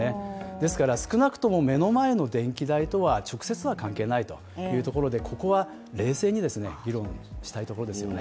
ですから少なくとも目の前の電気代とは直接は関係ないというところでここは冷静に議論したいところですね。